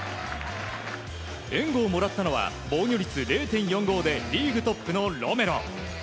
援護をもらったのは防御率０．４５でリーグトップのロメロ。